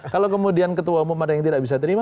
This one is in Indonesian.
kalau kemudian ketua umum ada yang tidak bisa terima